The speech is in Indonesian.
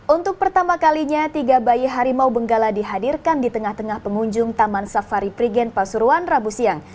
untuk pertama kalinya tiga bayi harimau benggala dihadirkan di tengah tengah pengunjung taman safari prigen pasuruan rabu siang